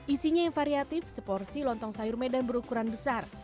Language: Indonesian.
isinya yang variatif seporsi lontong sayur medan berukuran besar